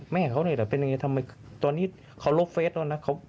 แม่เขาเป็นอย่างไรทำไมตอนนี้เขาลบเฟสแล้วนะ